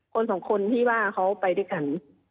คนสองคนที่ว่าเขาไปด้วยกัน